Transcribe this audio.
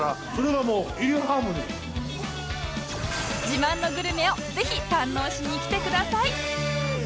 自慢のグルメをぜひ堪能しに来てください！